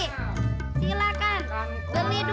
silakan beli dua dapet satu